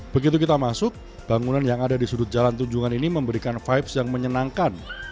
begitu kita masuk bangunan yang ada di sudut jalan tunjungan ini memberikan vibes yang menyenangkan